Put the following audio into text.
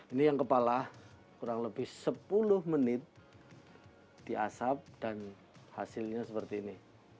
ini yang kepala kurang lebih sepuluh menit di asap dan hasilnya seperti ini